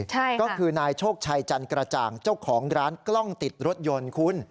ใช่ก็คือนายโชคชัยจันกระจ่างเจ้าของร้านกล้องติดรถยนต์คุณ